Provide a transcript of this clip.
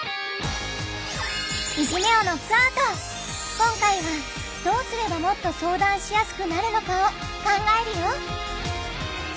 今回はどうすればもっと相談しやすくなるのかを考えるよ！